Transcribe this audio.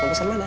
mau pesen mana